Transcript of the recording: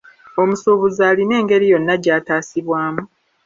Omusuubuzi alina engeri yonna gy'ataasibwamu?